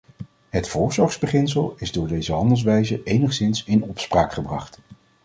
Het voorzorgsbeginsel is door deze handelwijze enigszins in opspraak gebracht.